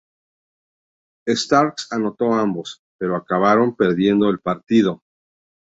Starks anotó ambos, pero acabaron perdiendo el partido.